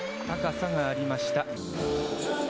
高さがありました。